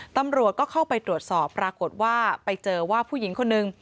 ตำรวจก็เข้าไปตรวจสอบปรากฏว่าไปเจอว่าผู้หญิงคนนึง